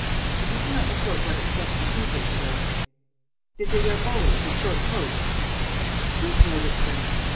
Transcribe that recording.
"But these were not the sort one expects to see here to day." "Did they wear bowlers and short coats?" "You did notice them!"